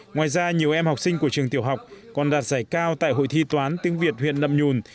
ngoài ra nhiều em học sinh của trường tiểu học còn đạt giải cao tại hội thi toán tiếng việt huyện nậm nhùn